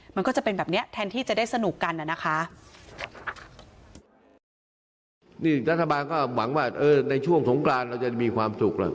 มันก็จะเป็นแบบนี้แทนที่จะได้สนุกกันน่ะนะคะ